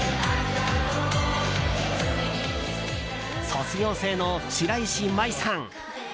卒業生の白石麻衣さん